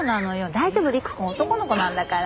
大丈夫陸くん男の子なんだから。